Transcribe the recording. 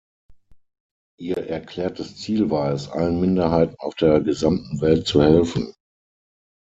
Ihr erklärtes Ziel war es, allen Minderheiten auf der gesamten Welt zu helfen.